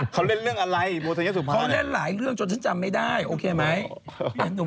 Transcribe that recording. เค้าเล่นเรื่องอะไรโบทัญญาสุภาเนี่ยเค้าเล่นหลายเรื่องจนฉันจำไม่ได้โอเคไหม